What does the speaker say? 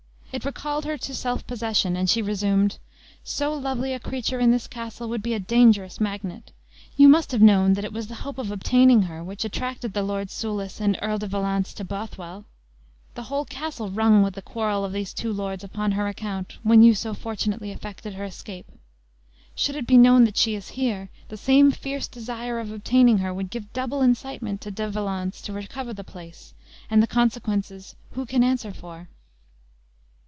It recalled her to self possession, and she resumed: "So lovely a creature in this castle would be a dangerous magnet. You must have known that it was the hope of obtaining her which attracted the Lord Soulis and Earl de Valence to Bothwell. The whole castle rung with the quarrel of these two lords upon her account, when you so fortunately effected her escape. Should it be known that she is here, the same fierce desire of obtaining her would give double incitement to De Valence to recover the place; and the consequences, who can answer for?"